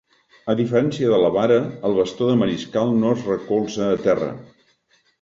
A diferència de la vara, el bastó de mariscal no es recolza a terra.